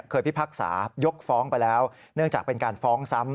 พิพากษายกฟ้องไปแล้วเนื่องจากเป็นการฟ้องซ้ำ